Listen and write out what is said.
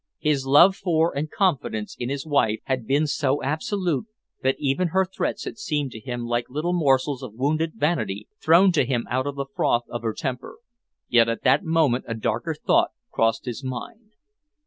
His love for and confidence in his wife had been so absolute that even her threats had seemed to him like little morsels of wounded vanity thrown to him out of the froth of her temper. Yet at that moment a darker thought crossed his mind.